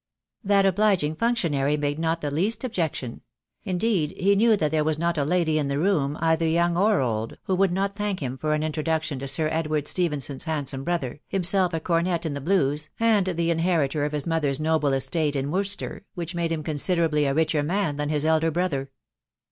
That obliging functionary made not the least objection; indeed he knew that there was not a lady in the room, either young or old, who would not thank him for an introduction to Sir Edward Stephenson's handsome brother, himself a cornet in the Blues, and the inheritor of his mother's noble estate in Worcestershire, which made him considerably a richer man than his elder brother.